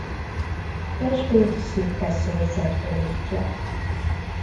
Testét szürke szőrzet borítja.